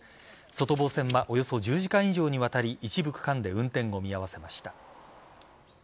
外房線はおよそ１０時間以上にわたり一部区間で運転を見合わせました。